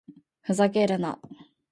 ふざけるな